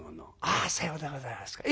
「ああさようでございますか。